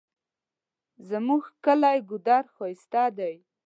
زمونږ کلی ګودر ښایسته ده